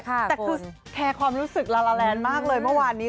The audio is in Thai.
แต่คือแคร์ความรู้สึกลาลาแลนดมากเลยเมื่อวานนี้